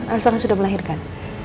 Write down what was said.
elsa udah melahirkan